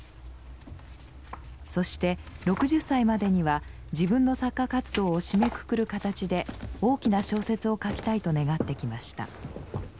そして６０歳までには自分の作家活動を締めくくる形で大きな小説を書きたいと願ってきました。